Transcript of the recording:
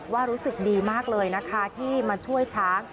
รู้สึกดีมากเลยนะคะที่มาช่วยช้าง